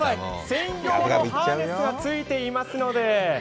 専用のハーネスがついていますので。